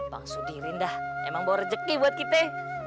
bang sudirin dah emang bawa rezeki buat kita